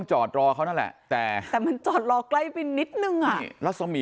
จอดรอเขานั่นแหละแต่แต่มันจอดรอใกล้ไปนิดนึงอ่ะนี่รัศมี